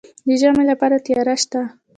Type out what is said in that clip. د ژمي لپاره تیاری شته؟